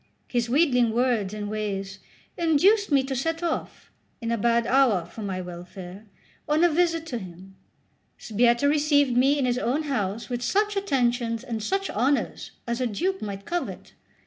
His wheedling words and ways induced me to set off, in a bad hour for my welfare, on a visit to him. Sbietta received me in his own house with such attentions and such honours as a duke might covet.